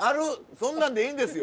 そんなんでいいんですよ。